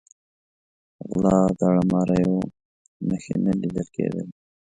غلا، داړه ماریو نښې نه لیده کېدلې.